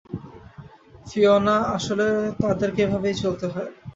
Fiona, আসলে, তাদেরকে এভাবেই চলতে হয়।